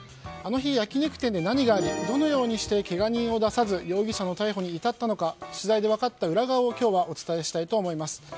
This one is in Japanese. あの日、焼き肉店で何がありどのようにしてけが人を出さず容疑者の逮捕に至ったのか取材で分かった裏側を今日はお伝えしたいと思います。